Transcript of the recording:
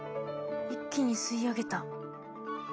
一気に吸い上げた。